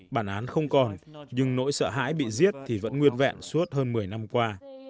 bản án không còn nhưng nỗi sợ hãi bị giết thì vẫn nguyên vẹn suốt hơn một mươi năm qua